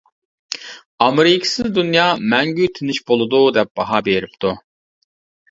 ئامېرىكىسىز دۇنيا مەڭگۈ تىنچ بولىدۇ دەپ باھا بېرىپتا.